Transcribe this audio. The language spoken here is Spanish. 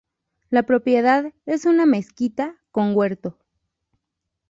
La propiedad es una mezquita con huerto.